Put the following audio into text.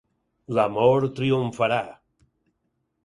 L'amor triomfarà.